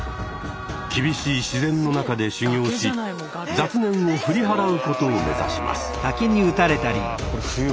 厳しい自然の中で修行し雑念を振り払うことを目指します。